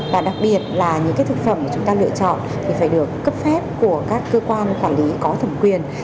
và đặc biệt là những cái thực phẩm mà chúng ta lựa chọn thì phải được cấp phép của các cơ quan quản lý có thẩm quyền